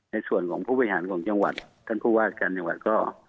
ในส่วนของผู้บริหารของจังหวัดท่านผู้ว่าการจังหวัดก็